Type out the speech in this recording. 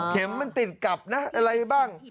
มันติดกลับนะอะไรบ้าง